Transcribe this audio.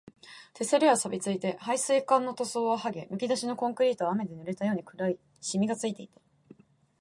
手すりは錆ついて、配水管の塗装ははげ、むき出しのコンクリートは雨で濡れたように黒いしみがついていた